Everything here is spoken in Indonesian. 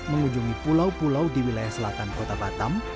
mengunjungi pulau pulau di wilayah selatan kota batam